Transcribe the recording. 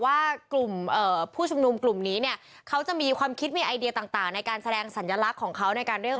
ว่ากลอบผู้ชมนุมกลุ่มนี้เขาจะมีความคิดไลค์เดียต่างในการแสดงสัญลักษณ์ของเขา